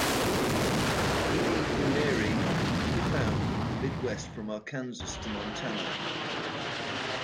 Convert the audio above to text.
"E. d. bruneri" can be found in the midwest from Arkansas to Montana.